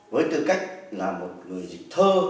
với tư cách là một người dịch thơ